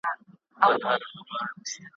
که هر څو پښتانه گرمه په کارمل ږدي